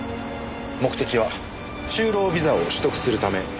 目的は就労ビザを取得するためでしたね。